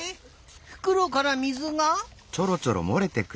ふくろからみずが。